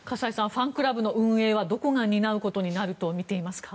ファンクラブの運営はどこが担うことになると見ていますか？